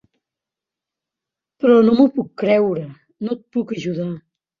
Però no m'ho puc creure! No et puc ajudar!